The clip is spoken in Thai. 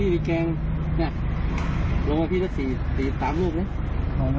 นี่ลงมาพี่จะสี่สามลูกนี่